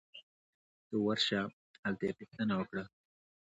ته ورشه ! هلته یې پوښتنه وکړه